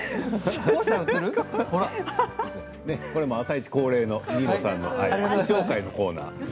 「あさイチ」恒例の新納さんの靴紹介のコーナーです。